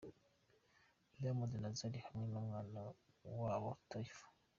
Diamond na Zari hamwe n'umwana wabo Tiffah.